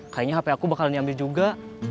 kayaknya hape aku bakalan diambil juga